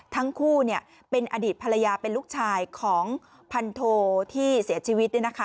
ทั้งคู่เป็นอดีตภรรยาเป็นลูกชายของพันโทที่เสียชีวิต